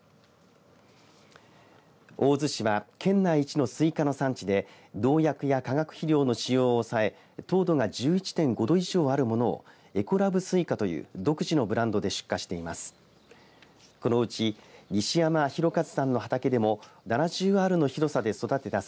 大洲市は県内一のスイカの産地で農薬や化学肥料の使用を抑え糖度が１１．５度以上あるものをエコラブスイカという独自のブランドで出荷しています。